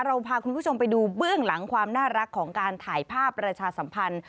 เราพาคุณผู้ชมไปดูเบื้องหลังความน่ารักของการถ่ายภาพประชาสัมพันธ์